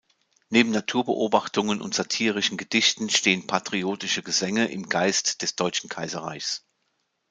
Neben Naturbeobachtungen und satirischen Gedichten stehen patriotische Gesänge im Geist des Deutschen Kaiserreichs.